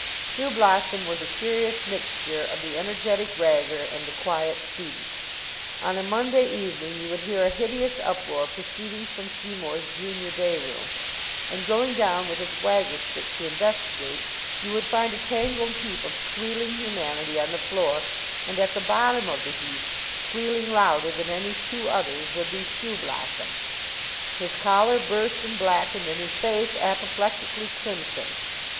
Shoeblossom was a curious mixture of the Energetic Ragger and the Quiet Student. On a Monday evening you would hear a hideous uproar proceeding from Seymour's junior day room; and, going down with a swagger stick to investigate, you would find a tangled heap of squealing humanity on the floor, and at the bottom of the heap, squealing louder than any two others, would be Shoeblossom, his collar burst and blackened and his face apoplectically crimson.